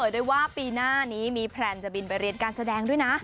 โดยว่าปีหน้านี้มีแพลนจะบินไปเรียนการแสดงด้วยนะ